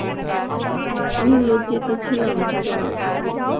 আমি লজ্জিত ছিলাম, জনাব।